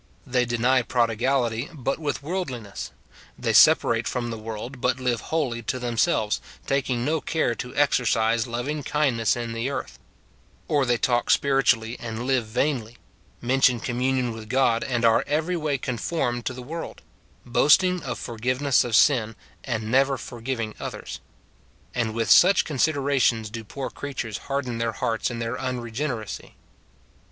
They deny prodigality, but with worldliness ; they separate from the world, but live wholly to themselves, taking no care to exercise loving kindness in the earth ; or they talk spiritually, and live vainly; mention communion with God, and are every way conformed to the world ; boasting of forgiveness of sin, and never forgiving others. 166 MORTIFICATION OF And with such considera'ions do poor creatures harden their hearts in their unrcgeneracy.